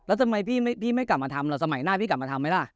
แล้วทำไมพี่ไม่กลับมาทำล่ะสมัยหน้าพี่กลับมาทำไหมล่ะ